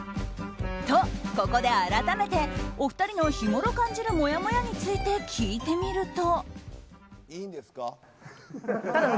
と、ここで改めてお二人の日ごろ感じるもやもやについて聞いてみると。